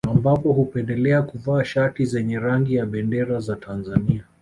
Ambapo hupendelea kuvaa shati zenye rangi ya bendera za Tanzania